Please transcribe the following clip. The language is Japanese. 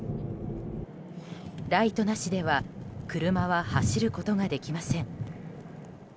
ライトなしでは車は走ることができません。